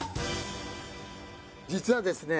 実はですね